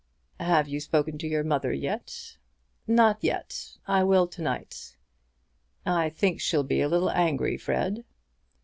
"Have you spoken to your mother yet?" "Not yet. I will to night." "I think she'll be a little angry, Fred."